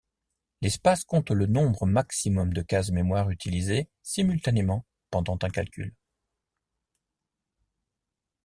L'espace compte le nombre maximum de cases mémoire utilisées simultanément pendant un calcul.